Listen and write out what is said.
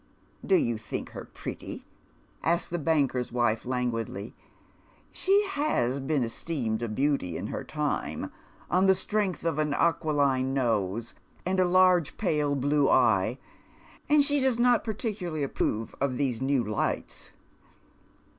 " Do you think her pretty ?" asks the banker's wife, languidly. She has been esteemed a beauty in her time, on the strength of an aquiline nose and a large pale blue eye, and she does not particularly approve of tlicse new lights.